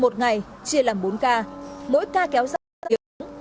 một ngày chia làm bốn ca mỗi ca kéo ra ba yếu